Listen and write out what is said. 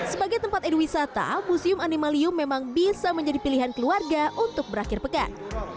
sebagai tempat edu wisata museum animalium memang bisa menjadi pilihan keluarga untuk berakhir pekan